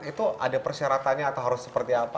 itu ada persyaratannya atau harus seperti apa